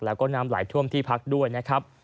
แล้วก็น้ำไหลท่วมที่พักด้วยนะครับ